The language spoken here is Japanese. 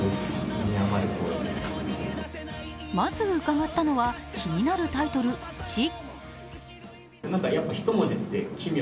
まず伺ったのは気になるタイトル、「チ」。